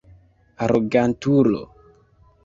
Arogantulo!